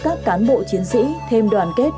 các cán bộ chiến sĩ thêm đoàn kết